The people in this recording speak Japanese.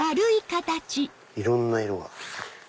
いろんな色がある。